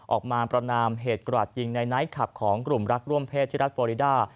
ประนามเหตุกราดยิงในไนท์คลับของกลุ่มรักร่วมเพศที่รัฐฟอริดา